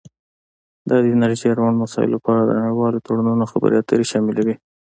دا د انرژۍ اړوند مسایلو په اړه د نړیوالو تړونونو خبرې اترې شاملوي